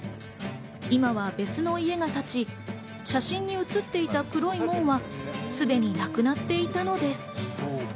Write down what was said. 今は別の家が立ち、写真に写っていた黒い門はすでになくなっていたのです。